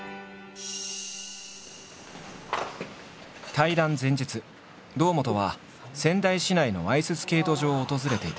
対談前日堂本は仙台市内のアイススケート場を訪れていた。